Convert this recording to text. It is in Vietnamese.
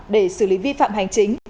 để xử lý vi phạm hành chính